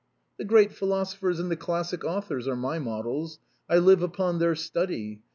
" The great philosophers and the classic authors are my models. I live upon their study.